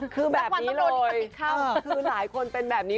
คือแบบนี้เลยคือหลายคนเป็นแบบนี้